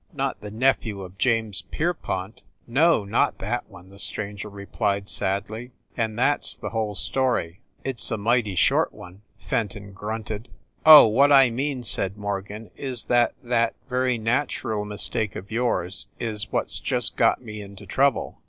Not the nephew of James Pierpont?" "No, not that one!" the stranger replied, sadly. "And that s the whole story !" "It s a mighty short one !" Fenton grunted. "Oh, what I mean," said Morgan, "is that that very natural mistake of yours is what s just got me into trouble.